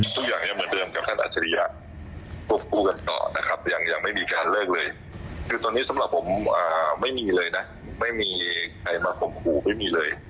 สำหรับผมไม่มีเลยนะไม่มีใครมาข่มขู่ไม่มีเลย